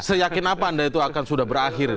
seyakin apa anda itu akan sudah berakhir